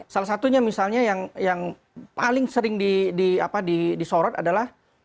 salah satunya misalnya yang paling sering disorot adalah